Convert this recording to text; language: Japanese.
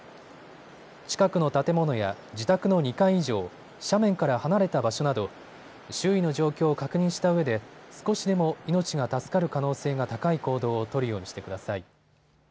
近くの建物や自宅の２階以上、斜面から離れた場所など周囲の状況を確認したうえで少しでも命が助かる可能性が高い行動を取るようにしてください。